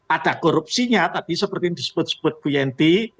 ada korupsinya tadi seperti yang disebut sebut bu yenty